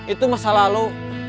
itu masa lalu